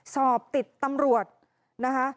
สอบติดตำรวจนะคะ